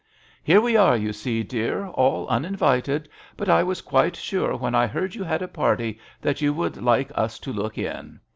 " Here we are, you see, dear, all uninvited; but I was quite sure, when I heard you had a party, that you would like us to look in.